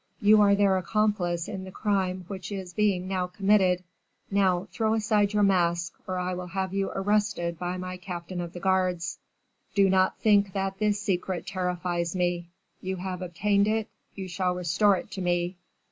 You are their accomplice in the crime which is being now committed. Now, throw aside your mask, or I will have you arrested by my captain of the guards. Do not think that this secret terrifies me! You have obtained it, you shall restore it to me.